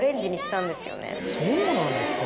そうなんですか。